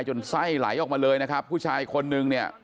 จนไส้ไหลออกมาเลยนะครับผู้ชายคนนึง